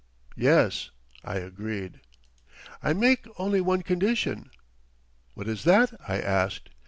"Yes," I agreed. "I make only one condition." "What is that?" I asked.